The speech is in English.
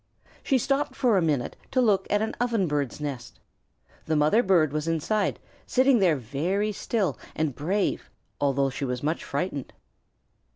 She stopped for a minute to look at an Ovenbird's nest. The mother bird was inside, sitting there very still and brave, although she was much frightened.